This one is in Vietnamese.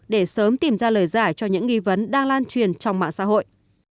để sớm tìm ra lời giải cho những nghi vấn đang lan truyền trong mạng xã hội